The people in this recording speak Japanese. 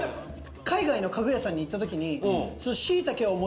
海外の家具屋さんに行った時に。